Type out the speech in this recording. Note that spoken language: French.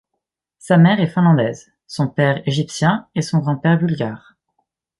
Sa mère est finlandaise, son père égyptien et son grand-père bulgare.